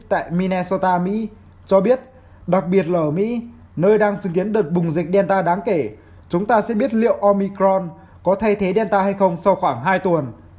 tại minetsota mỹ cho biết đặc biệt là ở mỹ nơi đang chứng kiến đợt bùng dịch delta đáng kể chúng ta sẽ biết liệu omicron có thay thế delta hay không sau khoảng hai tuần